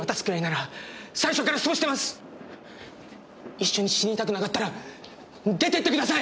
一緒に死にたくなかったら出てってください！